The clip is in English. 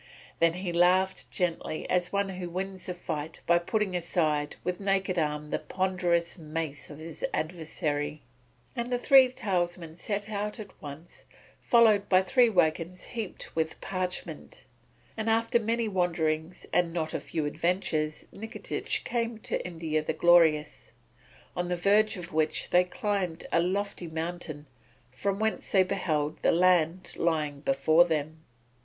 Then he laughed gently as one who wins a fight by putting aside with naked arm the ponderous mace of his adversary. The three talesmen set out at once, followed by three waggons heaped with parchment; and after many wanderings and not a few adventures Nikitich came to India the Glorious, on the verge of which they climbed a lofty mountain, from whence they beheld the land lying before them.